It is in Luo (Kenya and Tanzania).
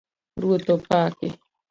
Ruoth opaki